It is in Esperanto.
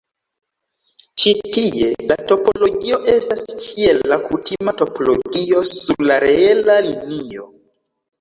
Ĉi tie, la topologio estas kiel la kutima topologio sur la reela linio.